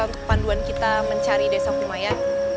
untuk panduan kita mencari desa kumayan